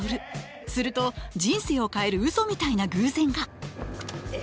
すると人生を変えるうそみたいな偶然が！